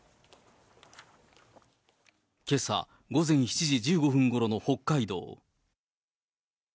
けさ午前７時１５分ごろの北海道。